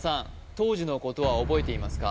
当時のことは覚えていますか？